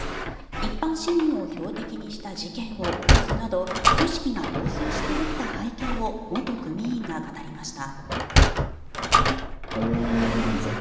一般市民を標的にした事件を起こすなど組織が暴走していった背景を元組員が語りました。